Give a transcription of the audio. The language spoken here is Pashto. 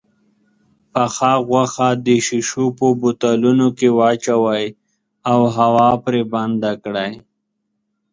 پخه غوښه د شيشو په بوتلو کې واچوئ او هوا پرې بنده کړئ.